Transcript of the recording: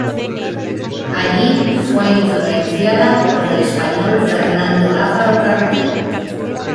Allí fue influenciada por el español Fernando Lázaro Carreter.